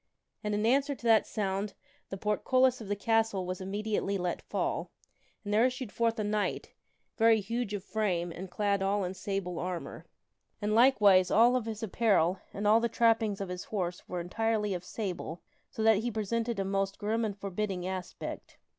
And in answer to that sound, the portcullis of the castle was immedi ately let fall, and there issued forth a knight, very huge of frame, and clad all in sable armor. And, likewise, all of his apparel and all the trappings of his horse were entirely of sable, so that he presented a most grim and forbidding aspect.